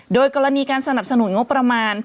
โดยกรณีการสนับสนุนงบประมาณ